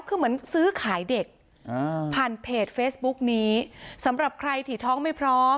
คือเหมือนซื้อขายเด็กอ่าผ่านเพจเฟซบุ๊กนี้สำหรับใครที่ท้องไม่พร้อม